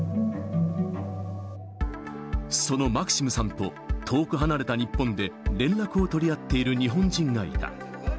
そのマクシムさんと遠く離れた日本で、連絡を取り合っている日本人がいた。